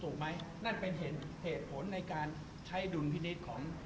ถูกไหมนั่นเป็นเหตุผลในการใช้ดุลพินิษฐ์ของ